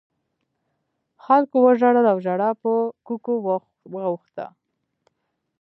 خلکو وژړل او ژړا په کوکو واوښته.